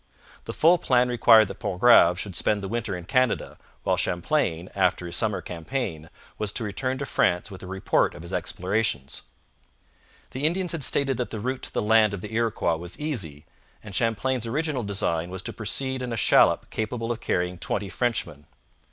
The full plan required that Pontgrave should spend the winter in Canada, while Champlain, after his summer campaign, was to return to France with a report of his explorations. The Indians had stated that the route to the land of the Iroquois was easy, and Champlain's original design was to proceed in a shallop capable of carrying twenty Frenchmen.